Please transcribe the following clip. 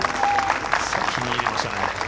先に入れましたね。